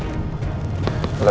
ah ah rena